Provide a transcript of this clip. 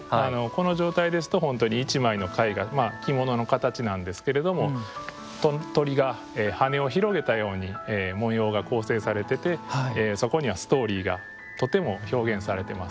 この状態ですと本当に１枚の絵画着物の形なんですけれども鳥が羽を広げたように模様が構成されててそこにはストーリーがとても表現されてます。